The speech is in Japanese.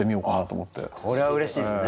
これはうれしいですね。